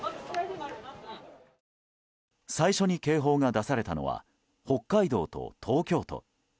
最初に、警報が出されたのは北海道と東京都。